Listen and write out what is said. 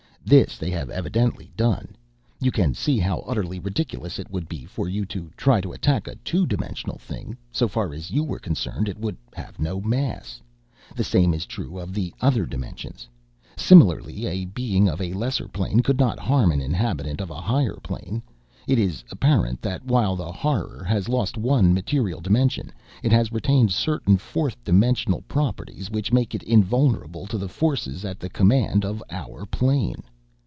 This they have evidently done. You can see how utterly ridiculous it would be for you to try to attack a two dimensional thing. So far as you were concerned it would have no mass. The same is true of the other dimensions. Similarly a being of a lesser plane could not harm an inhabitant of a higher plane. It is apparent that while the Horror has lost one material dimension, it has retained certain fourth dimensional properties which make it invulnerable to the forces at the command of our plane."